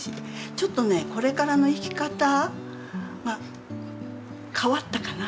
ちょっとねこれからの生き方が変わったかな。